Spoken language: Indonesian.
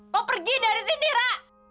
lo pergi dari sini ra